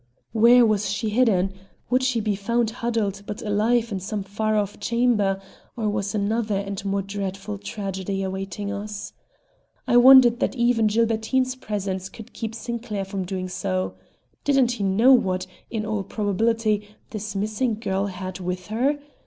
Where was she hidden? Would she be found huddled but alive in some far off chamber? Or was another and more dreadful tragedy awaiting us? I wondered that I could not join the search. I wondered that even Gilbertine's presence could keep Sinclair from doing so. Didn't he know what, in all probability, this missing girl had with her?